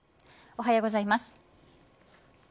おはようございます。